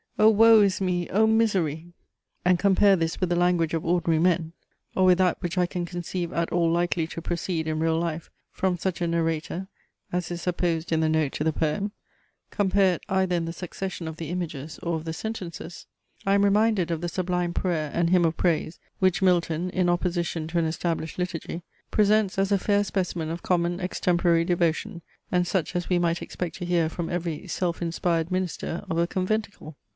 Oh woe is me! Oh misery!" and compare this with the language of ordinary men; or with that which I can conceive at all likely to proceed, in real life, from such a narrator, as is supposed in the note to the poem; compare it either in the succession of the images or of the sentences; I am reminded of the sublime prayer and hymn of praise, which Milton, in opposition to an established liturgy, presents as a fair specimen of common extemporary devotion, and such as we might expect to hear from every self inspired minister of a conventicle!